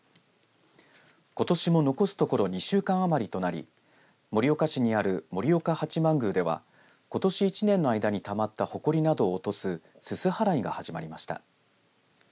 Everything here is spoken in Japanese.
ことしも残すところ２週間余りとなり盛岡市にある、盛岡八幡宮ではことし１年の間にたまったほこりなどを落とすすす払いが始まりました。